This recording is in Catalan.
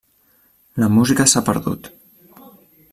La música s'ha perdut.